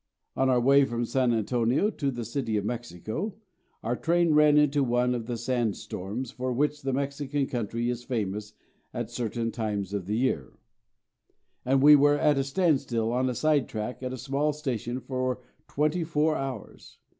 On our way from San Antonio to the City of Mexico our train ran into one of the sand storms, for which the Mexican country is famous at certain times of the year; and we were at a standstill on a side track at a small station for twenty four hours.